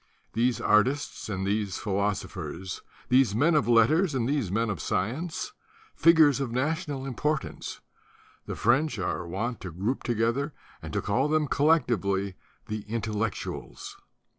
These artists and these phi losophers, these men of letters and these men of science, figures of national importance, the French are wont to group together and to call them collectively The Intellectuals.